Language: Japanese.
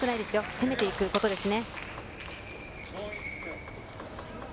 攻めていくことですね。